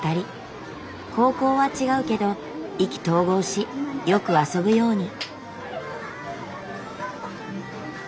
高校は違うけど意気投合しよく遊ぶように。